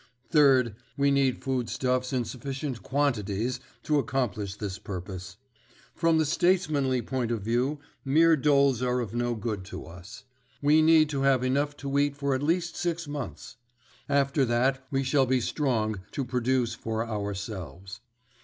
Third, we need food stuffs in sufficient quantities to accomplish this purpose. From the statesmanly point of view mere doles are of no good to us. We need to have enough to eat for at least six months; after that we shall be strong to produce for ourselves.